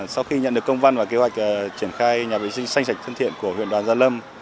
sau khi nhận được công văn và kế hoạch triển khai nhà vệ sinh xanh sạch thân thiện của huyện đoàn gia lâm